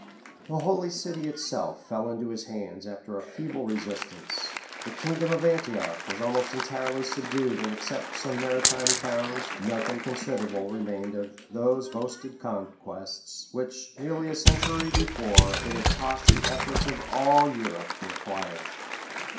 } The holy city itself fell into his hands after a feeble resistance; the kingdom of Antioch was almost entirely subdued and except some maritime towns, nothing considerable remained of thope boasted conquests, which, near a century before, it had cost the efforts of all Europe to acquire.